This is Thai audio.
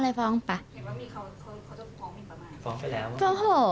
อันนี้มาฟ้องมีประมาท